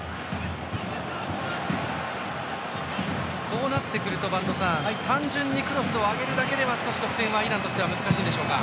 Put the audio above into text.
こうなってくると単純にクロスを上げるだけでは少し得点は、イランとしては難しいでしょうか。